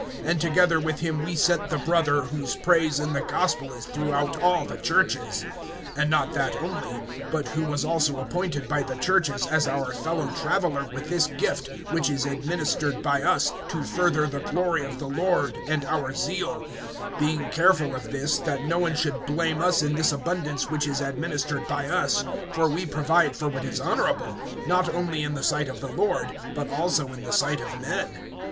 (18)And together with him we sent the brother, whose praise in the gospel is throughout all the churches; (19)and not that only, but who was also appointed by the churches, as our fellow traveler with this gift[8:19] which is administered by us, to further the glory of the Lord, and our zeal; (20)being careful of this, that no one should blame us in this abundance which is administered by us; (21)for we provide for what is honorable, not only in the sight of the Lord, but also in the sight of men.